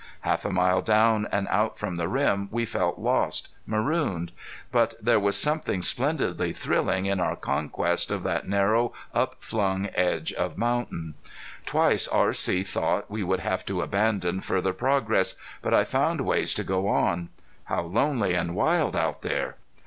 Half a mile down and out from the rim we felt lost, marooned. But there was something splendidly thrilling in our conquest of that narrow upflung edge of mountain. Twice R.C. thought we would have to abandon further progress, but I found ways to go on. How lonely and wild out there!